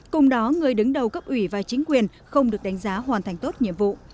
cùng đó người đứng đầu cấp ủy và chính quyền không được đánh giá hoàn thành tốt nhiệm vụ